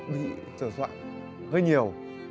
bị trở soạn hơi nhiều